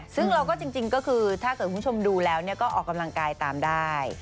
ซึ่งเราก็จริงก็คือถ้าเกิดคุณผู้ชมดูแล้วก็ออกกำลังกายตามได้